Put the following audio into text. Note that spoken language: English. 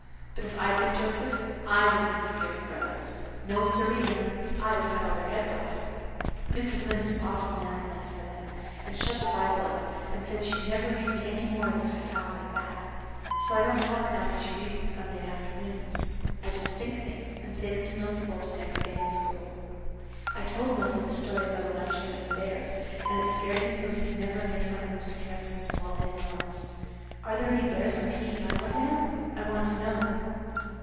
But if I'd been Joseph I wouldn't have forgive the brothers. No, siree, Anne. I'd have cut all their heads off. Mrs. Lynde was awful mad when I said that and shut the Bible up and said she'd never read me any more of it if I talked like that. So I don't talk now when she reads it Sunday afternoons; I just think things and say them to Milty Boulter next day in school. I told Milty the story about Elisha and the bears and it scared him so he's never made fun of Mr. Harrison's bald head once. Are there any bears on P.E. Island, Anne? I want to know."